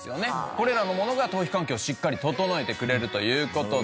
これらのものが頭皮環境をしっかり整えてくれるという事で。